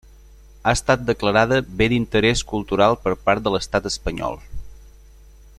Ha estat declarada Bé d'interès cultural per part de l'Estat espanyol.